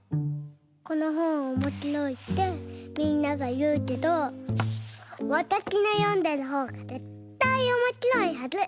このほんおもしろいってみんながいうけどわたしのよんでるほうがぜったいおもしろいはず！